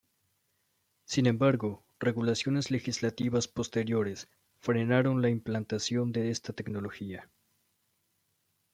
Sin embargo, regulaciones legislativas posteriores frenaron la implantación de esta tecnología.